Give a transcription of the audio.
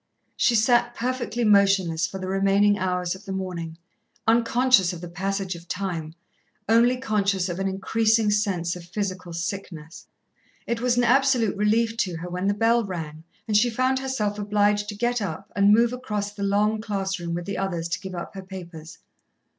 She sat perfectly motionless for the remaining hours of the morning, unconscious of the passage of time, only conscious of an increasing sense of physical sickness. It was an absolute relief to her when the bell rang and she found herself obliged to get up and move across the long class room with the others to give up her papers.